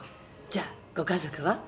じゃあご家族は？